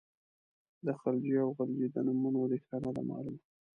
د خلجي او غلجي د نومونو ریښه نه ده معلومه.